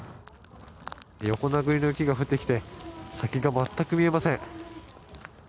横殴りの雪が降ってきて先が全く見えません。